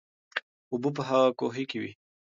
اوبه په کوهي کې وې.